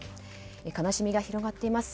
悲しみが広がっています。